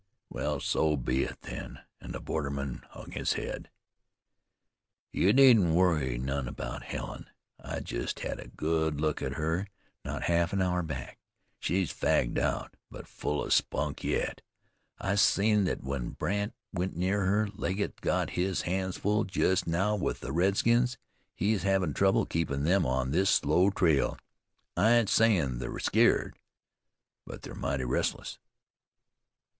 "Well, so be it then," and the borderman hung his head. "You needn't worry none, 'bout Helen. I jest had a good look at her, not half an hour back. She's fagged out; but full of spunk yet. I seen thet when Brandt went near her. Legget's got his hands full jest now with the redskins. He's hevin' trouble keepin' them on this slow trail. I ain't sayin' they're skeered; but they're mighty restless."